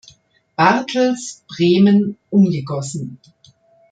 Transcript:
Bartels, Bremen, umgegossen.